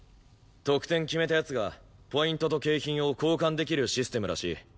得点決めた奴がポイントと景品を交換できるシステムらしい。